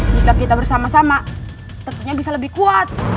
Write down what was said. jika kita bersama sama tentunya bisa lebih kuat